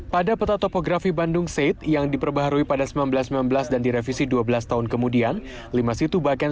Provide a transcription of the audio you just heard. pada peta topografi bandung seid yang diperbaharui pada seribu sembilan ratus sembilan belas dan direvisi dua belas tahun kemudian